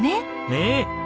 ねえ。